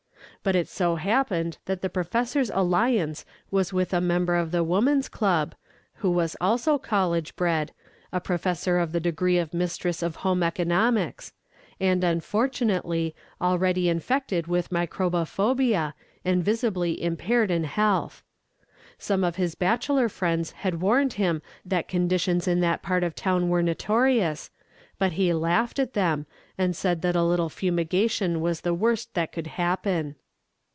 But it so happened that the professor's alliance was with a member of the Woman's Club, who was also college bred, a possessor of the degree of Mistress of Home Economics, and, unfortunately, already infected with microbophobia, and visibly impaired in health. Some of his bachelor friends had warned him that conditions in that part of town were notorious, but he laughed at them, and said that a little fumigation was the worst that could happen.